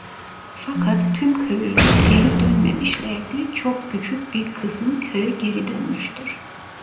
Fakat tüm köylüler geri dönmemişlerdir çok küçük bir kısmı köye geri dönmüştür.